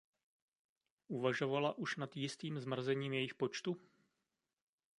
Uvažovala už nad jistým zmrazením jejich počtu?